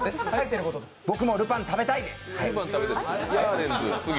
僕もルパン食べたい。